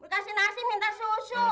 kasih nasi minta susu